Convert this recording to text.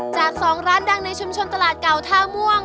จาก๒ร้านดังในชุมชนตลาดเก่าท่าม่วง